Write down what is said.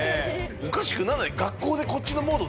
おかしくならない？